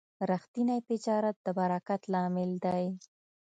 ریښتینی تجارت د برکت لامل دی.